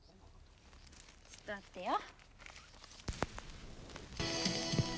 ちょっと待ってよ。